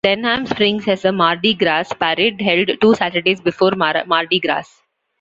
Denham Springs has a Mardi Gras Parade held two Saturdays before Mardi Gras.